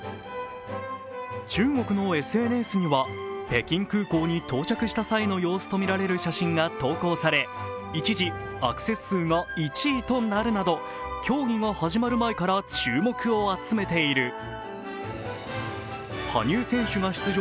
中国のＳＮＳには北京空港に到着した際の様子とみられる写真が投稿され一時、アクセス数が１位となるなど競技が始まる前から注目を集めている。